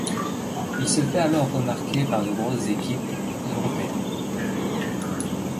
Il se fait alors remarquer par de grosses équipes européennes.